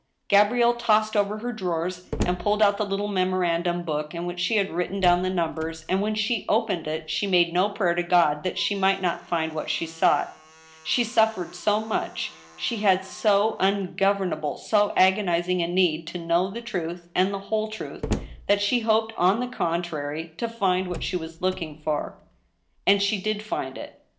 Gabrielle tossed over her drawers and pulled out the little memo randum book in which she had written down the numbers, and when she opened it she made no prayer to God that she might not find what she sought. She suffered so much, she had so ungovern able, so agonizing a need, to know the truth, and the whole truth, that she hoped, on the contrar)% to find what she was looking for. ANOTHER VERDICT. 221, And she did find it.